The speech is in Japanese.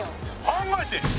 考えてるよ！